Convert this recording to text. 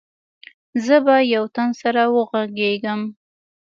زه به يو تن سره وغږېږم.